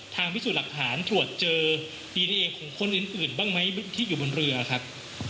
พิสูจน์หลักฐานตรวจเจอดีเอของคนอื่นบ้างไหมที่อยู่บนเรือครับ